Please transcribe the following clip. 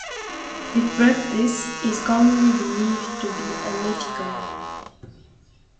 The practice is commonly believed to be unethical.